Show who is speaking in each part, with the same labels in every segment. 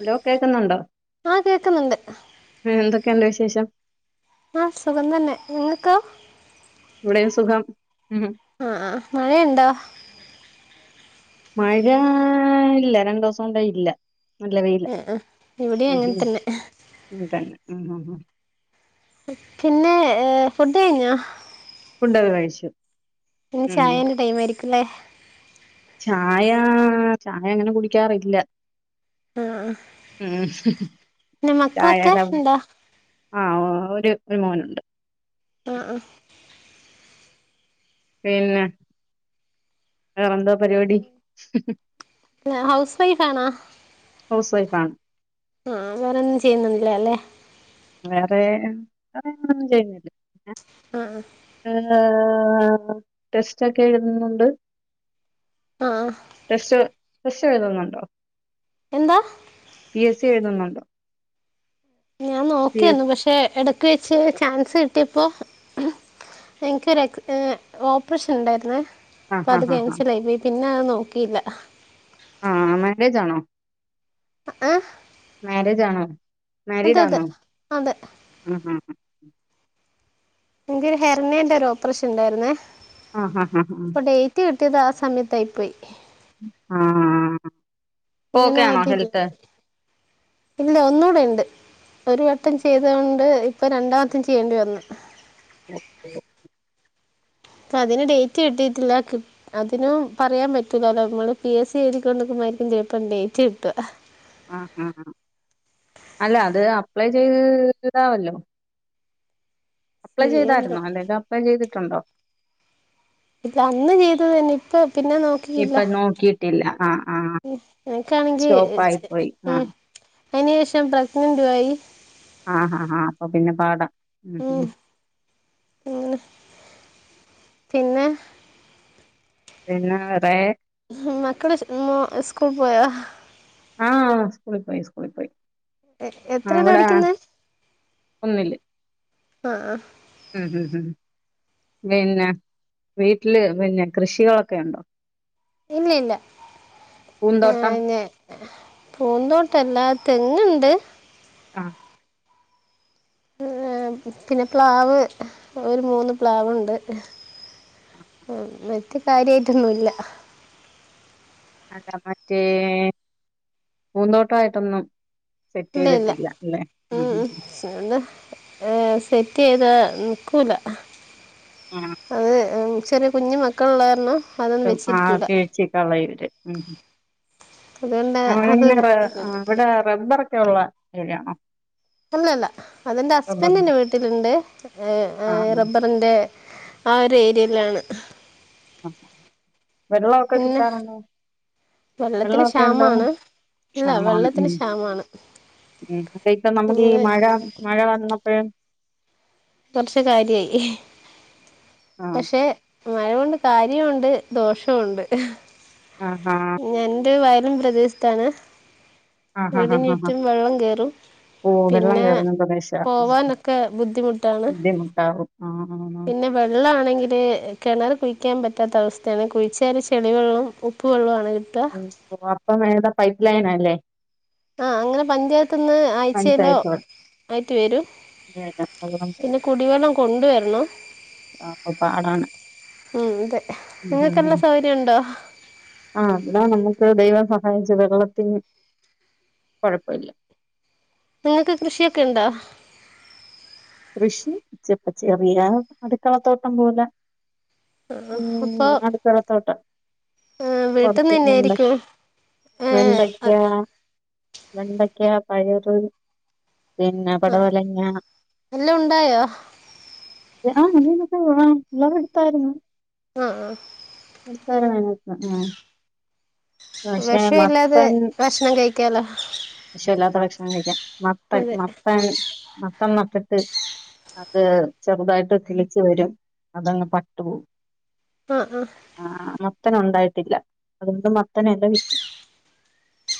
Speaker 1: Hello കേക്കുന്നുണ്ടോ?
Speaker 2: ആ കേക്കുന്നുണ്ട്
Speaker 1: എന്തൊ ക്കെയുണ്ട് വിശേഷം?
Speaker 2: ആഹ് സുഖം തന്നെ. നിങ്ങക്കോ?
Speaker 1: ഇവിടെയും സുഖം. ഉം
Speaker 2: ആഹ് ആഹ് മഴയുണ്ടോ?
Speaker 1: മഴാ.... ഇല്ല രണ്ട് ദിവസം കൊണ്ടേ ഇല്ല. നല്ല വെയില
Speaker 2: ആഹ് ആഹ് ഇവിടെയും അങ്ങൻതന്നെ.
Speaker 1: മ് മ് മ്
Speaker 2: പിന്നെ ഫുഡ് കഴിഞ്ഞോ?
Speaker 1: ഡൊക്കെ കഴിച്ചു.
Speaker 2: ഇനി ചായന്റെ ടൈം ആയിരി ക്കുലേ?
Speaker 1: ചായാ.... ചായ അങ്ങനെ കുടിക്കാറില്ല.
Speaker 2: ആ
Speaker 1: ഉം
Speaker 2: പിന്നെ
Speaker 1: ചായ
Speaker 2: മക്കളൊക്കെ
Speaker 1: ലവ്.
Speaker 2: ഉണ്ടോ
Speaker 1: ആഹ് ഒരു ഒരു മോനുണ്ട്
Speaker 2: ആഹ് ആഹ്
Speaker 1: പിന്നെ വേറെന്താ പരിപാടി
Speaker 2: ആ ഹൗസ് വൈഫ് ആണോ
Speaker 1: ഹൗസ് വൈഫാണ്
Speaker 2: ആഹ് വേറൊന്നും ചെയ്യുന്നൊന്നില്ലാലെ
Speaker 1: വേറെ വേറെയെങ്ങടൊന്നും ചെയ്യുന്നില്ല
Speaker 2: ആ
Speaker 1: ഉം ടെസ്റ്റ് ഒക്കെ എഴുതുന്നുണ്ട്
Speaker 2: ആഹ്
Speaker 1: ടെസ്റ്റ് ടെസ്റ്റ് എഴുതുന്നുണ്ടോ?
Speaker 2: എന്താ
Speaker 1: പി എസ് സി എഴുതുന്നുണ്ട
Speaker 2: ഞാൻ നോക്കിയിന്നു പക്ഷെ എട ക്ക് വെച്ച് ചാൻസ് കിട്ടിയപ്പോൾ എനിക്കൊരു എക് ഓപ്പറേഷൻ ഉണ്ടായിരുന്നെ അപ്പോ
Speaker 1: ആഹ്
Speaker 2: അത്
Speaker 1: ആഹ് ആഹ്
Speaker 2: ക്യാൻസിലായി പോയി പി ന്നെ നോക്കിയില്ല
Speaker 1: ആഹ് മാര്യേജാണോ
Speaker 2: ആഹ്
Speaker 1: മാര്യേജാണോ മാരീഡാന്നോ
Speaker 2: അതെ
Speaker 1: അ അ അ
Speaker 2: എന്റെയൊരു ഹെർണിയേന്റെ ഒരോ പ്പറേഷൻ ഇണ്ടായിരുന്നേ
Speaker 1: ആ ഹ ഹ ഹ്
Speaker 2: ട്ടിതാസമയത്തായി പോയി
Speaker 1: ആഹ് പ്പ
Speaker 2: അങ്ങനെ
Speaker 1: ഓക്കേ ആണോ
Speaker 2: അതില്ല
Speaker 1: ഹെൽത്ത്
Speaker 2: ഇല്ല ഒന്നൂടെയുണ്ട് ഒരു വട്ടം ചെയ്ത കൊണ്ട് ഇപ്പൊ രണ്ടാമത്തും ചെയ്യേണ്ടി വന്ന്
Speaker 1: ഓഹ് ഓഹ്
Speaker 2: പ്പതിന് ഡേറ്റ് കിട്ടിട്ടില്ല കൃ അതിനും പറയാൻ പറ്റലല്ലോ മ്മള് പി എസ് സി എഴുതിക്കോണ്ട് നിക്കുമ്പാരിക്കും ചെപ്പം ഡേറ്റ് കിട്ടുക
Speaker 1: ആ ഹ അല്ല അത് അപ്ലൈ ചെയ്തിടാവല്ലോ അപ്ലെ
Speaker 2: ചെയ്യണ്ട
Speaker 1: ചെയ്തായിരുന്നൊ അല്ലെങ്കിൽ അപ്ലൈ ചെയ്ത് ട്ടുണ്ടോ
Speaker 2: ഇല്ല അന്ന് ചെയ്തത് തന്നെ ഇപ്പ പിന്നെ നോക്കിയില്ല
Speaker 1: ഇപ്പൊ നോക്കിയിട്ടില്ല ആഹ് ആഹ്
Speaker 2: എനക്കാണെങ്കി
Speaker 1: സ്റ്റോപ്പ് ആയി
Speaker 2: ചെ
Speaker 1: പോയി
Speaker 2: ഉം
Speaker 1: ആഹ്
Speaker 2: അയിന്ശേഷം പ്രഗ്നന്റുവായി
Speaker 1: ആഹഹാ ആ അപ്പൊ പിന്നെ പാട ഉം ഉം
Speaker 2: അങ്ങനെ പിന്നെ
Speaker 1: പിന്നെ വെറേ
Speaker 2: മക്കള് സ മോ സ്കൂ പോയോ
Speaker 1: ആഹ് സ്കൂളി പോയി സ്കൂളി പോയി ആഹ്
Speaker 2: എത്രലാ
Speaker 1: ഇവിടെ
Speaker 2: പഠിക്കുന്നേ
Speaker 1: ഒന്നില്
Speaker 2: ആ ആ
Speaker 1: ഉം ഉം ഉം പിന്നെ വീട്ടില് പിന്നെ കൃഷികളൊക്കെ ഒണ്ടോ
Speaker 2: ഇല്ല ഇല്ല ആ
Speaker 1: പൂന്തോട്ടം
Speaker 2: ന്നെ പൂന്തോട്ടം എല്ലാ തെങ്ങ്ണ്ട്
Speaker 1: ആ
Speaker 2: ഏ പിന്നെ പ്ലാവ് ഒരു മൂന്ന് പ്ലാവ്ണ്ട് ഏഹ് മറ്റ് കാര്യയിട്ടൊന്നുല്ല
Speaker 1: അതാ മറ്റേ പൂന്തോട്ടായിട്ടൊന്നും സെറ്റ്
Speaker 2: ഇല്ല ഇല്ല
Speaker 1: ചെയ്തിട്ടില്ല അല്ലെ മഉം ഉം
Speaker 2: ഏ സെറ്റ് ചെയ്ത നിക്കൂല
Speaker 1: ആ
Speaker 2: ചെറിയ കുഞ്ഞു മക്കളുള്ള കാരണം അതൊന്നും
Speaker 1: ആ
Speaker 2: വെച്ചിരിക്കൂല
Speaker 1: കീഴച്ചി കളര് [unintelligible]
Speaker 2: അതുകൊണ്ട് അത്
Speaker 1: ഇവിടെ റബ്ബർ [unintelligible]
Speaker 2: അല്ലല്ല അതെന്റെ ഹസ്ബൻഡിന്റെ വീട്ടിലുണ്ട്
Speaker 1: ആ ആ
Speaker 2: റബ്ബറിന്റെ ആ ഒരു ഏരിയയിലാണ്
Speaker 1: [unintelligible] വെള്ളമൊക്കെ
Speaker 2: പിന്നെ
Speaker 1: കിട്ടാറുണ്ടോ
Speaker 2: വെള്ളത്തിന്
Speaker 1: വെള്ളമൊക്കെ ഉണ്ടോ
Speaker 2: ക്ഷാമാണ് ഇല്ല
Speaker 1: ക്ഷാമവാണ്
Speaker 2: വെള്ളത്തിന്
Speaker 1: ഉം
Speaker 2: ക്ഷാമാണ്
Speaker 1: ഉം അപ്പൊ ഇപ്പൊ നമുക്ക് ഈ
Speaker 2: നിങ്ങള്
Speaker 1: മഴ മഴ വന്ന ഉംഹ്
Speaker 2: കുറച്ച് കാര്യായി
Speaker 1: ആ
Speaker 2: പക്ഷെ മഴകൊണ്ട് കാര്യോണ്ട് ദോഷോണ്ട്
Speaker 1: ആഹ് ആഹ്
Speaker 2: വയലും പ്രദേശത്താണ്
Speaker 1: ആ ആ ആ ആ ആ.
Speaker 2: വീടിനുറ്റും വെള്ളം കേറും
Speaker 1: ഓ വെള്ളം
Speaker 2: പിന്നെ
Speaker 1: കയറുന്ന പ്രദേശ
Speaker 2: പോവാനൊക്കെ ബുദ്ധിമുട്ടാണ്
Speaker 1: ബുദ്ധിമുട്ടാവും ആ ആ ആ.
Speaker 2: പിന്നെ വെള്ളം ആണെങ്കില് കിണർ കുഴിക്കാൻ പറ്റാത്ത അവസ്ഥയാണ് കുഴിച്ചാല് ചെളിവെള്ളോം ഉപ്പ് വെള്ളാണ്
Speaker 1: ഉം അപ്പം ഏതാ പൈപ്പ് ലൈനാല്ലേ
Speaker 2: ആ അങ്ങനെ പഞ്ചായത്ത്ന്ന് ആഴ്ചയിലോ
Speaker 1: പഞ്ചായത്ത്
Speaker 2: ആയിട്ട് വരും
Speaker 1: വെള്ളം
Speaker 2: പിന്നെ കുടിവെള്ളം കൊണ്ടുവരണം
Speaker 1: അപ്പൊ പാടാണ്
Speaker 2: ഉം അതെ നിങ്ങൾക്കെല്ലാ
Speaker 1: ഉം.
Speaker 2: സൗകര്യം ഉണ്ടോ
Speaker 1: ആ നമ്മക്ക് ദൈവം സഹായിച്ച് വെള്ളത്തിന് കൊഴപ്പമില്ല
Speaker 2: നിങ്ങക്ക് കൃഷിയൊക്കെ ഇണ്ടോ
Speaker 1: കൃഷി ചെപ്പ ചെറിയാ അടുക്കളത്തോട്ടം പോലെ
Speaker 2: അപ്പോൾ
Speaker 1: ഉം അടുക്കളത്തോട്ടം
Speaker 2: വീട്ടിൽ നിന്ന്
Speaker 1: കൊറച്ച് വെണ്ട
Speaker 2: തന്നെയായിരിക്കും ആ
Speaker 1: വെണ്ടയ്ക്ക വെണ്ടയ്ക്ക പയറ് പിന്നെ പടവലങ്ങാ
Speaker 2: എല്ലാം ഉണ്ടായോ
Speaker 1: [unintelligible]
Speaker 2: ആ ആ
Speaker 1: നിസ്കാരം കഴിഞ്ഞോ ഉം ഉം പക്ഷെ
Speaker 2: വിഷമില്ലാതെ
Speaker 1: മത്തൻ
Speaker 2: ഭക്ഷണം കഴിക്കാലോ
Speaker 1: വിഷാല്ലാത്ത ഭക്ഷണം കഴിക്കാം മത്തൻ
Speaker 2: അതെ
Speaker 1: മത്തൻ [unintelligible] അത് ചെറുതായിട്ട് കിളിച്ചു വരും അതങ്ങ് പട്ടു പോവും
Speaker 2: ആഹ് ആഹ്
Speaker 1: മത്തനുണ്ടായിട്ടില്ല അതുകൊണ്ട് മത്തന് എല വെച്ചു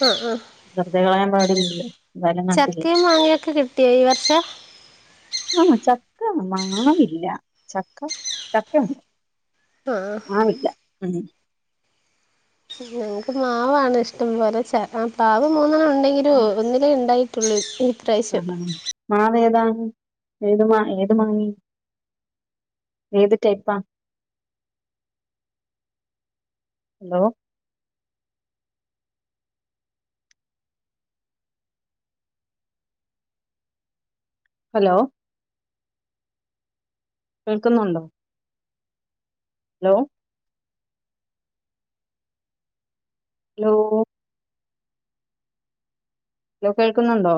Speaker 2: ആ ആ
Speaker 1: വെറുതെ കളയാൻ പാ ഇല്ലല്ലോ
Speaker 2: ചക്കയും മാങ്ങയൊക്കെ കിട്ടിയോ ഈ വർഷം
Speaker 1: ആഹ് ചക്ക മാവില്ല ചക്ക ചക്ക ഒണ്ട്
Speaker 2: ആ
Speaker 1: ഉ [unintelligible]
Speaker 2: ഞങ്ങക്ക് മാവാണ് ഇഷ്ടം വേറെ പാവ് മൂന്നെണ്ണം ഉണ്ട്‌ ങ്കിലും ഒന്നിലെ ഒണ്ടായി തുള്ളിപ്പ്
Speaker 1: ആഹഹാ ആ അതേതാണെ ഏത് മാ ഏത് മാങ്ങയ ഏത് ടൈപ്പാ ഹലോ ഹലോ കേൾക്കുന്നുണ്ടോ ഹലോ ഹലോ ഹലോ കേൾക്കുന്നുണ്ടോ